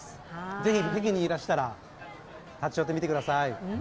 ぜひ北京にいらしたら立ち寄ってみてください